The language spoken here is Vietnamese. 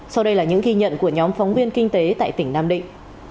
sau đây là những ghi nhận của nhóm phóng viên kinh tế tại tỉnh nam định